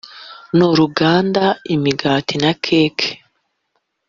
n’uruganda imigati na keke